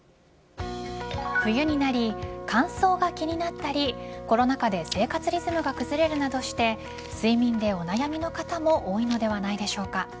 冬になり乾燥が気になったりコロナ禍で生活リズムが崩れるなどして睡眠でお悩みの方も多いのではないでしょうか。